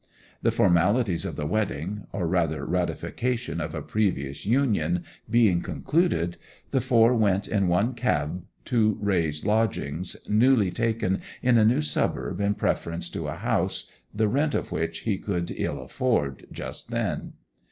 The formalities of the wedding—or rather ratification of a previous union—being concluded, the four went in one cab to Raye's lodgings, newly taken in a new suburb in preference to a house, the rent of which he could ill afford just then.